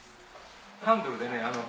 ハンドルでねあの。